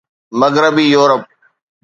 مغربي يورپ